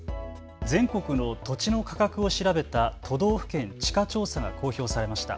全国の土地の価格を調べた都道府県地価調査が公表されました。